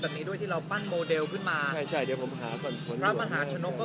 แบบนี้ด้วยที่เราปั้นโมเดลขึ้นมาใช่ใช่เดี๋ยวผมหาฝนหลวงครับ